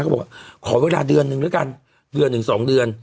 เขาบอกว่าขอเวลาเดือนนึงแล้วกันเดือนหนึ่งสองเดือน